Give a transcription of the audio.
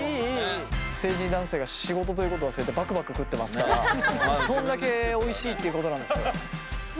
成人男性が仕事ということを忘れてバクバク食ってますからそんだけおいしいっていうことなんですよ。